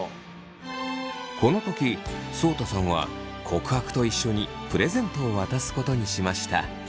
この時そうたさんは告白と一緒にプレゼントを渡すことにしました。